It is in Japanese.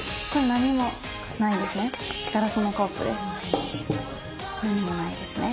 何もないですね。